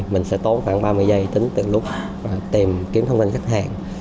mình sẽ tốn khoảng ba mươi giây tính từ lúc tìm kiếm thông tin khách hàng